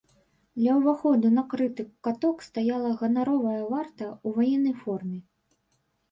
Ля ўваходу на крыты каток стаяла ганаровая варта ў ваеннай форме.